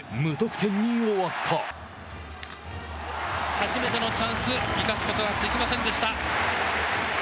初めてのチャンス生かすことができませんでした。